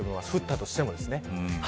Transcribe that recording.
降ったとしてもですね。